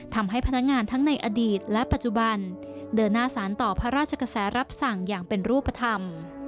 ทำให้พนักงานทั้งในอดีตและปัจจุบันเดินหน้าสารต่อพระราชกระแสรับสั่งอย่างเป็นรูปธรรม